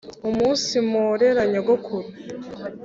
umunsi mporera nyogokuru